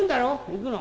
「行くの」。